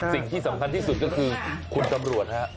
สิ่งที่สำคัญที่สุดก็คือคุณตำรวจฮะ